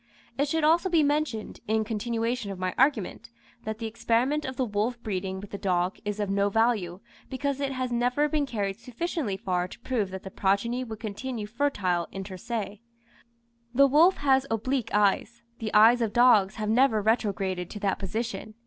It should also be mentioned, in continuation of my argument, that the experiment of the wolf breeding with the dog is of no value, because it has never been carried sufficiently far to prove that the progeny would continue fertile inter se. The wolf has oblique eyes the eyes of dogs have never retrograded to that position.